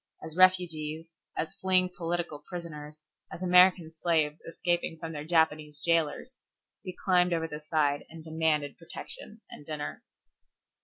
As refugees, as fleeing political prisoners, as American slaves escaping from their Japanese jailers, we climbed over the side and demanded protection and dinner.